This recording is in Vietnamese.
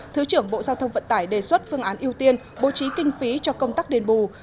thứ trưởng bộ giao thông vận tải đề xuất phương án ưu tiên bố trí kinh phí cho công tác đền bù